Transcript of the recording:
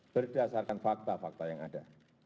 berdasarkan fakta fakta yang ada